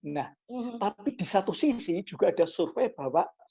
nah tapi di satu sisi juga ada survei bahwa